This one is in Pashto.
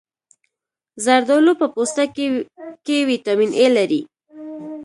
زردالو په پوستکي کې ویټامین A لري.